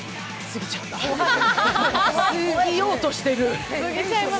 過ぎようとしてる。